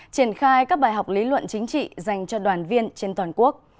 triển khai các bài học lý luận chính trị dành cho đoàn viên trên toàn quốc